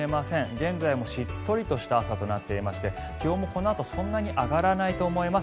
現在もしっとりとした朝となっていまして気温もこのあとそんなに上がらないと思います。